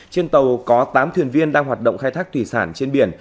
trên tàu có tám thuyền viên đang hoạt động khai thác thủy sản trên biển